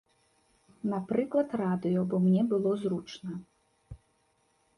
Напрыклад, радыё, бо мне было зручна.